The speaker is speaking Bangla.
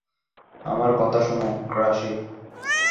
আমার কথা শুনো, গ্রাসি।